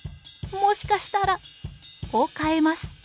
『もしかしたら』を買えます」。